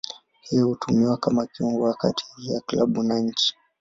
Yeye hutumiwa kama kiungo wa kati ya klabu na nchi.